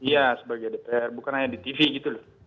iya sebagai dpr bukan hanya di tv gitu loh